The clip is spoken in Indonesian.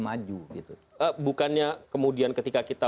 maju gitu bukannya kemudian ketika kita